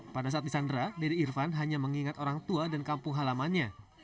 pada saat disandra dede irfan hanya mengingat orang tua dan kampung halamannya